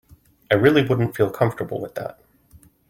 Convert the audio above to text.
I really wouldn't feel comfortable with that.